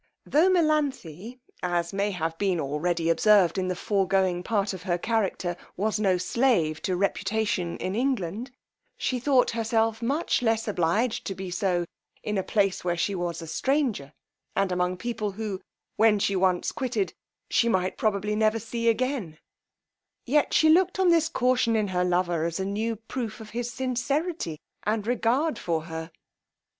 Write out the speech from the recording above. Tho' Melanthe, as may have been already observed in the foregoing part of her character, was no slave to reputation in England, and thought herself much less obliged to be so in a place where she was a stranger, and among people who, when she once quitted, she might probably never see again, yet she looked on this caution in her lover as a new proof of his sincerity and regard for her.